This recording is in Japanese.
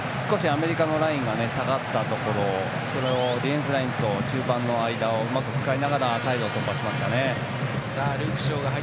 アメリカのラインが少し下がったところをディフェンスラインと中盤の間をうまく使いながらサイドを突破しましたね。